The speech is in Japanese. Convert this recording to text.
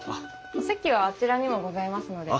お席はあちらにもございますので。